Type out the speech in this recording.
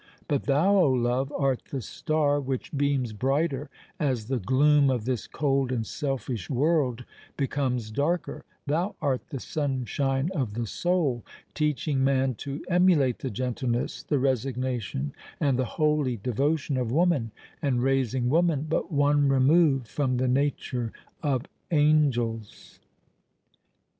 But thou, O Love! art the star which beams brighter as the gloom of this cold and selfish world becomes darker:—thou art the sunshine of the soul—teaching man to emulate the gentleness, the resignation, and the holy devotion of woman—and raising woman but one remove from the nature of angels!